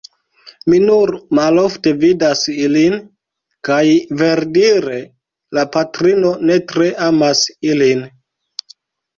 Mi nur malofte vidas ilin; kaj, verdire, la patrino ne tre amas ilin.